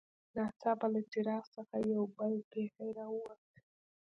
ناڅاپه له څراغ څخه یو بل پیری راووت.